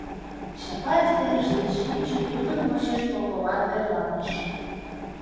Чапаев терыш шинче, тудын почеш Поповат верланыш.